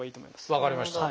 分かりました。